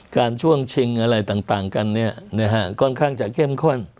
การช่วงชิงอะไรต่างกันเนี่ยเนี่ยฮะก่อนข้างจะเข้มข้น